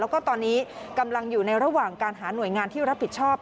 แล้วก็ตอนนี้กำลังอยู่ในระหว่างการหาหน่วยงานที่รับผิดชอบ